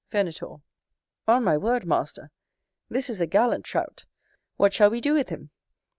Venator. On my word, master, this is a gallant Trout; what shall we do with him?